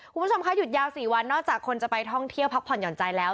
คุณผู้ชมค่ะหยุดยาว๔วันนอกจากคนจะไปท่องเที่ยวพักผ่อนหย่อนใจแล้ว